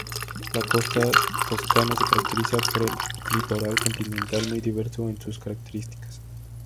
La costa toscana se caracteriza por un litoral continental muy diverso en sus características.